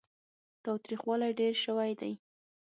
تاوتريخوالی ډېر شوی دی.